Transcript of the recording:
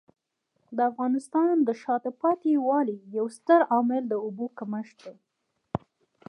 د افغانستان د شاته پاتې والي یو ستر عامل د اوبو کمښت دی.